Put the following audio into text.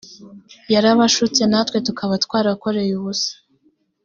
yarabashutse natwe tukaba twarakoreye ubusa